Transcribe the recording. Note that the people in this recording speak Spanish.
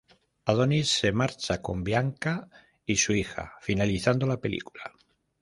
Adonis se marcha con Bianca y su hija, finalizando la película.